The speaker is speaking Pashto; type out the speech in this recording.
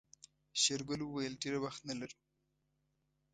شېرګل وويل ډېر وخت نه لرو.